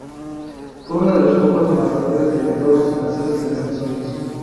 Fue uno de los pocos matadores de toros nacido en Estados Unidos.